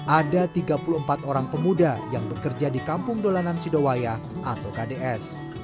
ada tiga puluh empat orang pemuda yang bekerja di kampung dolanan sidowaya atau kds